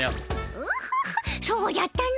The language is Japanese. オホホそうじゃったの。